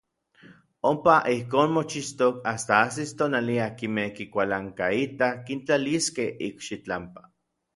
Ompa ijkon mochixtok asta ajsis tonali akinmej kikualankaitaj kintlaliskej ikxitlampa.